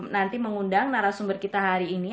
nanti mengundang narasumber kita hari ini